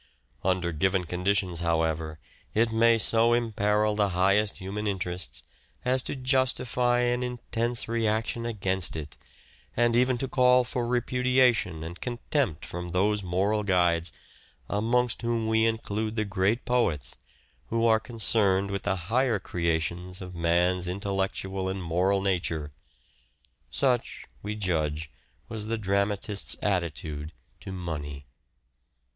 Under given conditions, however, it may so imperil the highest human interests, as to justify an intense reaction against it, and even to call for repudiation and contempt from those moral guides, amongst whom we include the great poets, who are concerned with the higher creations of man's intellectual and moral nature. Such, we judge, was the dramatist's attitude to money.